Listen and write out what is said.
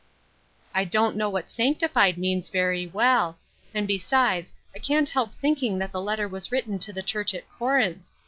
" I don't know what ' sanctified ' means very well; and, besides, I can't help thinking that the letter was written to the Church at Corinth.